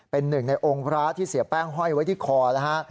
เป็นหนึ่งในองค์พระที่เสียแป้งห้อยไว้ที่คอนะฮะ